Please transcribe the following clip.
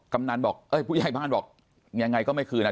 กำนันบอกเอ้ยผู้ใหญ่บ้านบอกยังไงก็ไม่คืนนะ